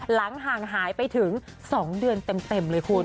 ห่างหายไปถึง๒เดือนเต็มเลยคุณ